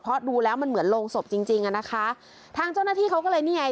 เพราะดูแล้วมันเหมือนโรงศพจริงจริงอ่ะนะคะทางเจ้าหน้าที่เขาก็เลยนี่ไง